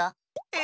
え？